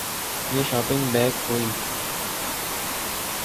یہ shopping bag کوئی